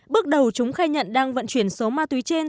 bước đầu chúng khai nhận đang vận chuyển số ma túy trên